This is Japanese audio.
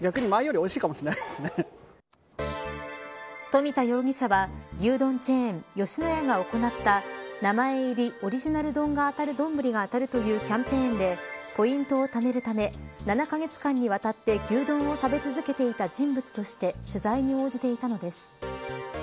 富田容疑者は、牛丼チェーン吉野家が行った名前入りオリジナル丼が当たるというキャンペーンでポイントを貯めるため７カ月間にわたって牛丼を食べ続けていた人物として取材に応じていたのです。